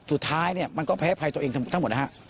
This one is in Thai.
สุดท้ายเนี่ยมันก็แพ้ภัยตัวเองทั้งหมดนะฮะ